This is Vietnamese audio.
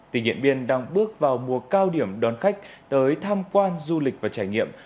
tỉ nhiệm biên đang bước vào mùa cao điểm đón khách tới tham quan du lịch và trải nghiệm